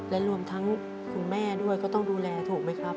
และรวมทั้งคุณแม่ด้วยก็ต้องดูแลถูกไหมครับ